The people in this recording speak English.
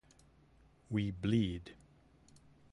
We bleed.